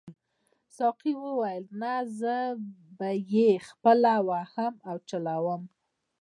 ساقي وویل نه زه به یې خپله وهم او چلاوم.